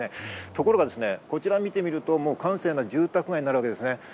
ところがこちらを見てみると、閑静な住宅街になるわけですね。